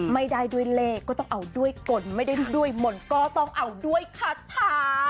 ไม่ได้ด้วยเลขก็ต้องเอาด้วยกลไม่ได้ด้วยมนต์ก็ต้องเอาด้วยคาถา